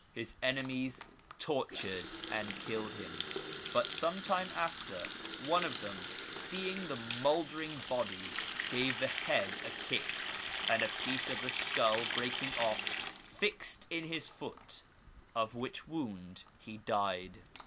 His enemies tortured and killed him ; but some time after, one of them, seeing the mouldering body, gave the head a kick, and a piece of the skull breaking off fixed in his foot, of which wound he died.